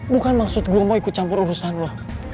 bukan maksud gue mau ikut campur urusan lo